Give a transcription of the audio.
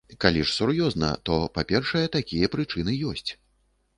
Калі ж сур'ёзна, то, па-першае, такія прычыны ёсць.